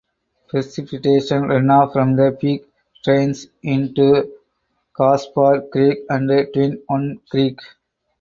Precipitation runoff from the peak drains into Caspar Creek and Twin One Creek.